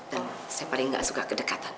dan saya paling tidak suka kedekatan